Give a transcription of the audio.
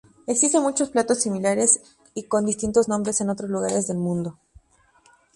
Existen muchos platos similares y con distintos nombres en otros lugares del mundo.